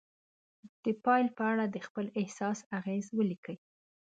د پایلې په اړه د خپل احساس اغیز ولیکئ.